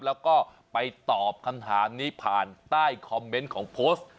แล้วก็ไปตอบคำถามนี้ผ่านใต้คอมเมนต์ของโพสต์